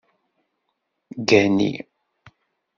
Ggani!